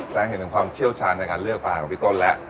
แสดงเห็นถึงความเชี่ยวชาญในการเลือกอาหารของพี่ต้นแล้ว